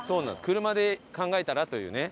車で考えたらというね。